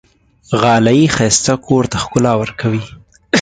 غالۍ ښایسته کور ته ښکلا ورکوي.